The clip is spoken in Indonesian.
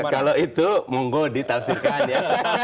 kalau itu monggo ditafsirkan ya